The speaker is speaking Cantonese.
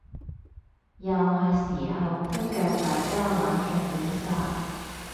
又係時候推介大家玩劇本殺